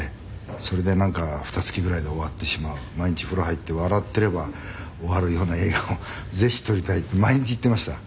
「それでなんか二月ぐらいで終わってしまう“毎日風呂入って笑っていれば終わるような映画をぜひ撮りたい”って毎日言っていました」